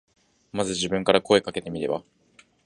まず自分から声かけてみれば。